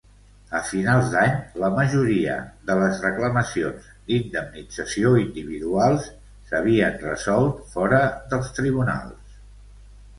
A finals d'any la majoria de les reclamacions d'indemnització individuals s'havien resolt fora dels tribunals.